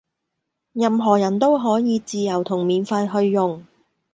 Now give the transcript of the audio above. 任何人都可以自由同免費去用